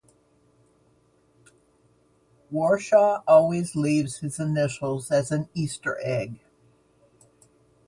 Warshaw always leaves his initials as an Easter egg.